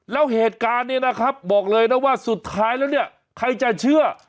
แล้วเหตุการณ์บอกเลยนะว่าสุดท้ายแล้วใครจะเชื่อ